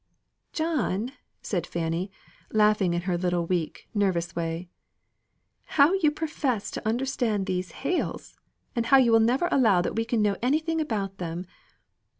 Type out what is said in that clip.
"John!" said Fanny, laughing in her little, weak, nervous way. "How you profess to understand these Hales, and how you never will allow that we can know anything about them.